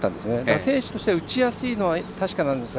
選手としては打ちやすいのは確かなんですが